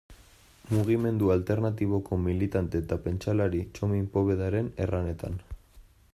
Mugimendu alternatiboko militante eta pentsalari Txomin Povedaren erranetan.